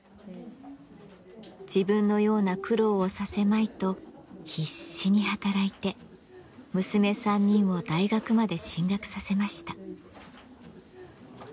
自分のような苦労をさせまいと必死に働いて娘３人を大学まで進学させました。